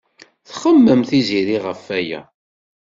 Txemmem Tiziri ɣef waya.